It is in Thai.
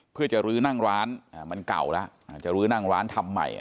เพื่อจะลื้อนั่งร้านมันเก่าแล้วอาจจะลื้อนั่งร้านทำใหม่